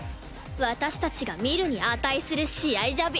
私たちが見るに値する試合じゃび。